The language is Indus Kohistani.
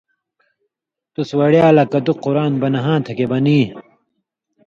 تُس وڑیا لا کتُک قرآن بنہاں تھہ کھیں بنی؛